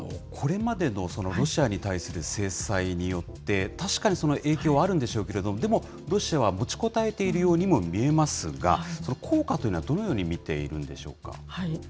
これまでのロシアに対する制裁によって、確かに影響はあるんでしょうけれども、でもロシアは持ちこたえているようにも見えますが、効果というのはどのように見ているんでしょうか。